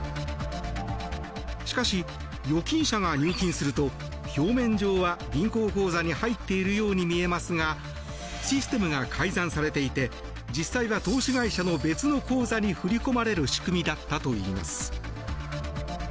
しかし、預金者が入金すると表面上は銀行口座に入っているように見えますがシステムが改ざんされていて実際は投資会社の別の口座に振り込まれる仕組みだったといいます。